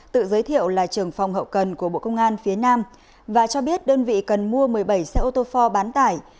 tự giới thiệu là trưởng phòng hậu cần của bộ công an phía nam và cho biết đơn vị cần mua một mươi bảy xe ô tô for bán tải